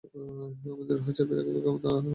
আমাদের উহা চাপিয়া রাখিবার ক্ষমতা আছে, পাগলের তাহা নাই।